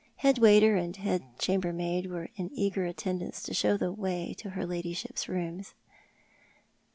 Head waiter and head chamber maid were in eager attendance to show the way to her ladyship's rooms.